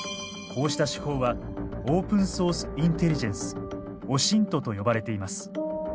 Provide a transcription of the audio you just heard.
こうした手法はオープンソースインテリジェンスオシントと呼ばれています。